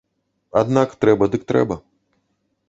Аднак трэба дык трэба.